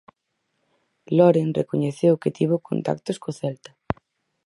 Loren recoñeceu que tivo contactos co Celta.